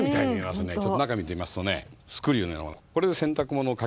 ちょっと中見てみますとねスクリューのようなものが。